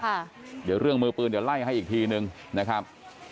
เดี๋ยวเรื่องมือปืนเดี๋ยวไล่ให้อีกทีนึงนะครับ